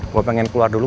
gue pengen keluar dulu